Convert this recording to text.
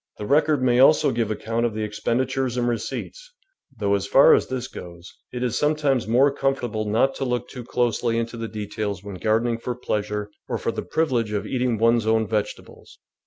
The record may also give account of the expendi tures and receipts, though, as far as this goes, it is sometimes m.ore comfortable not to look too THE VEGETABLE GARDEN closely into the details when gardening for pleasure or for the privilege of eating one's own vegetables.